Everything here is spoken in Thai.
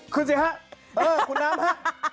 ขึ้นสิฮะคุณน้ำฮะ